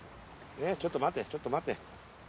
ちょっと待てちょっと待って。